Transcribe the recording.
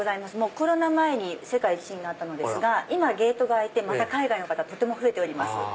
コロナ前に世界１位になったのですが今ゲートが開いてまた海外の方とても増えております。